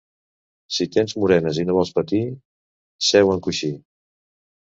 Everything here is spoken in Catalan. Si tens morenes i no vols patir, seu en coixí.